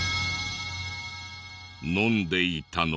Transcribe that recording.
飲んでいたのは。